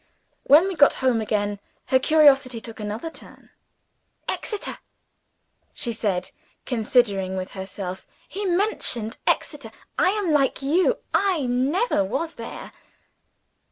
When we got home again, her curiosity took another turn. "Exeter?" she said, considering with herself. "He mentioned Exeter. I am like you I never was there.